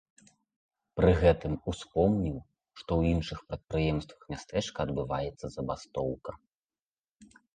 Пры гэтым успомніў, што ў іншых прадпрыемствах мястэчка адбываецца забастоўка.